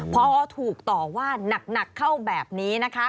พอถูกต่อว่านักเข้าแบบนี้นะคะ